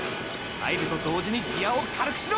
入ると同時にギアを軽くしろ！！